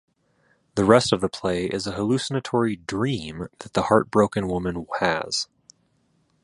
The rest of the play is a hallucinatory "dream" that the Heartbroken Woman has.